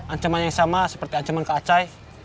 ancaman yang sama seperti ancaman keacai